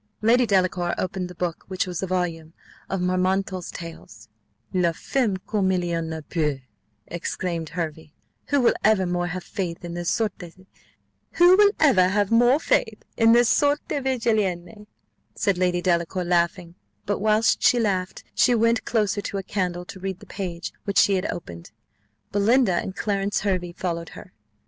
Lady Delacour opened the book, which was a volume of Marmontel's Tales. "La femme comme il y en a peu!" exclaimed Hervey. "Who will ever more have faith in the Sortes Virgilianae?" said Lady Delacour, laughing; but whilst she laughed she went closer to a candle, to read the page which she had opened. Belinda and Clarence Hervey followed her.